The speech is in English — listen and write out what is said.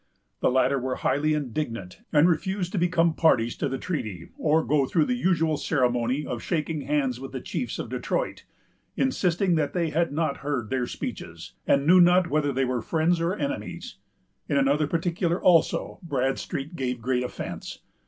The latter were highly indignant, and refused to become parties to the treaty, or go through the usual ceremony of shaking hands with the chiefs of Detroit, insisting that they had not heard their speeches, and knew not whether they were friends or enemies. In another particular, also, Bradstreet gave great offence.